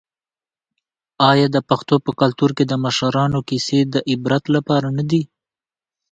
آیا د پښتنو په کلتور کې د مشرانو کیسې د عبرت لپاره نه دي؟